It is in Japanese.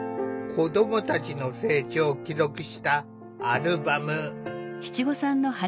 子どもたちの成長を記録したアルバム。